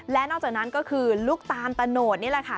และนอกจากนั้นก็คือลูกตาลตะโนดนี่แหละค่ะ